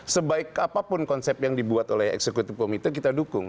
sebaik apapun konsep yang dibuat oleh eksekutif komite kita dukung